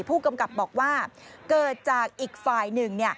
ผู้กำกับบอกว่าเกิดจากอีกฝ่ายหนึ่ง